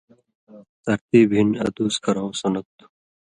ترتیب ہِن ادُوس کَرٶں سنت تھُو۔